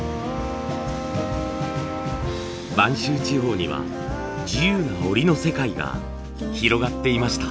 播州地方には自由な織りの世界が広がっていました。